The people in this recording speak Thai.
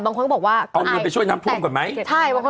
บางคนก็บอกว่าเอาเงินไปช่วยน้ำท่วมก่อนไหมใช่บางคน